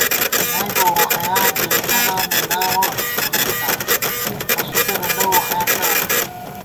نئ بہ ووخیار گېنِݪہ نام نامہ لِکِتِتا زی تسُو پېنہ لَؤ ووخیار کرہ بوت